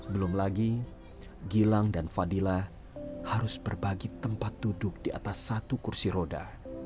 belum lagi gilang dan fadila harus berbagi tempat duduk di atas satu kursi roda